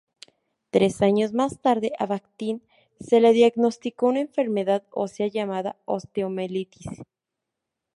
Tres años más tarde a Bajtín se le diagnosticó una enfermedad ósea llamada osteomielitis.